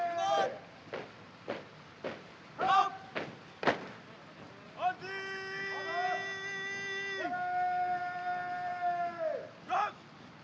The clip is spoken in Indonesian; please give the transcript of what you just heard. beri tanggung jawab